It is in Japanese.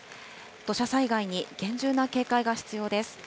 土砂災害に厳重な警戒が必要です。